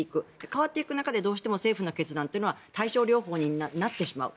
変わっていく中でどうしても政府の決断というのは対症療法になってしまう。